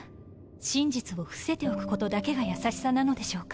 真実を伏せておくことだけが優しさなのでしょうか。